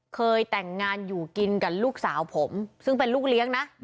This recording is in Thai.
เคยแต่งงานอยู่กินกับลูกสาวผมซึ่งเป็นลูกเลี้ยงนะ